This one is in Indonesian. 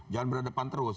jangan berdepan terus